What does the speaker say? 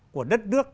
của đất nước